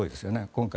今回。